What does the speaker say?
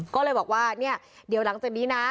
ก็เลยบอกว่าเนี่ยเดี๋ยวหลังจากนี้นะ